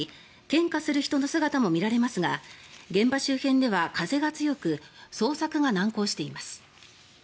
献花する人の姿も見られますが現場周辺では風が強く捜索が難航しています。